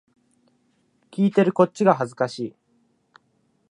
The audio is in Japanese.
聞いてるこっちが恥ずかしい